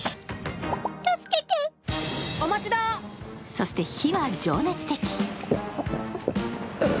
そして火は情熱的。